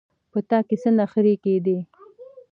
په تا کې څه نخرې کېدې.